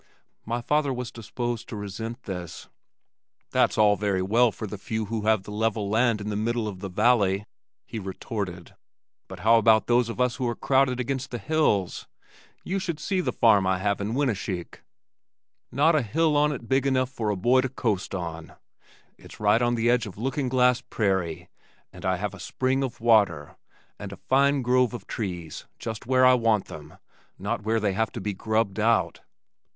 My father was disposed to resent this. "That's all very well for the few who have the level land in the middle of the valley," he retorted, "but how about those of us who are crowded against the hills? You should see the farm I have in Winnesheik!! Not a hill on it big enough for a boy to coast on. It's right on the edge of Looking Glass Prairie, and I have a spring of water, and a fine grove of trees just where I want them, not where they have to be grubbed out."